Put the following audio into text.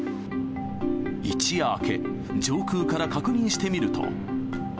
一夜明け、上空から確認してみると。